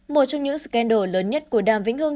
một trong những scandal lớn nhất của đàm vĩnh hương